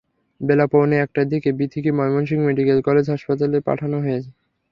বেলা পৌনে একটার দিকে বীথিকে ময়মনসিংহ মেডিকেল কলেজ হাসপাতালে পাঠানো হয়।